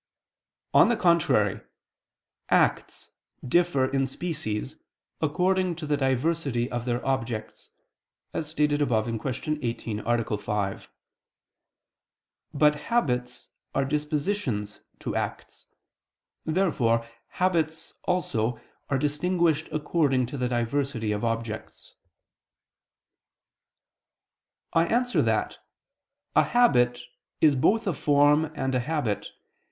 On the contrary, Acts differ in species according to the diversity of their objects, as stated above (Q. 18, A. 5). But habits are dispositions to acts. Therefore habits also are distinguished according to the diversity of objects. I answer that, A habit is both a form and a habit.